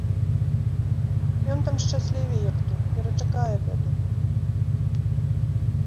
Ён там шчаслівей, як тут, перачакае бяду.